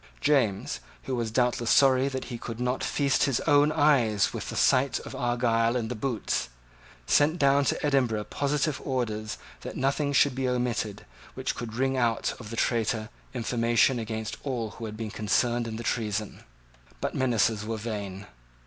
James, who was doubtless sorry that he could not feast his own eyes with the sight of Argyle in the boots, sent down to Edinburgh positive orders that nothing should be omitted which could wring out of the traitor information against all who had been concerned in the treason. But menaces were vain.